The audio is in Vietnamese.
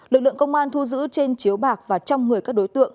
lực lượng công an thu giữ trên chiếu bạc và trong người các đối tượng